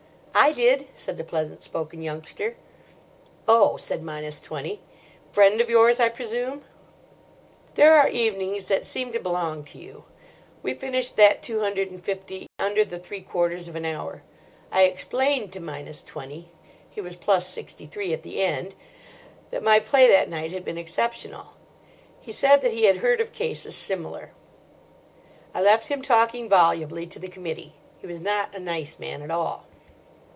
"I did," said the pleasant spoken youngster. "Oh," said Minus Twenty—"friend of yours, I presume?" There are evenings that seem to belong to you. We finished that two hundred and fifty under the three quarters of an hour. I explained to Minus Twenty—he was plus sixty three at the end—that my play that night had been exceptional. He said that he had heard of cases similar. I left him talking volubly to the committee. He was not a nice man at all.